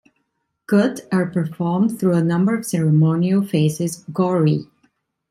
"Gut" are performed through a number of ceremonial phases, "gori".